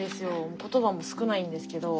言葉も少ないんですけど。